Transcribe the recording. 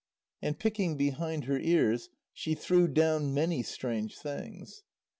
And picking behind her ears, she threw down many strange things.